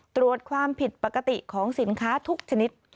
ตรวจความผิดปกติของสินค้าทุกชนิด